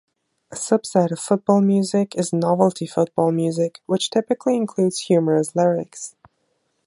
A subset of football music is novelty football music, which typically includes humorous lyrics.